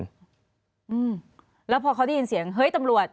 อืมแล้วพอเขาได้ยินเสียงเฮ้ยตำรวจ